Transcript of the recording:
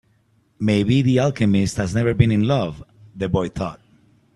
Maybe the alchemist has never been in love, the boy thought.